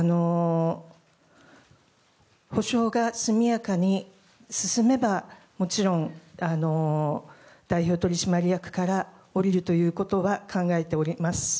補償が速やかに進めばもちろん、代表取締役から降りるということは考えております。